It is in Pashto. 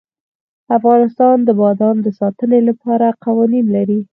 افغانستان د بادام د ساتنې لپاره قوانین لري.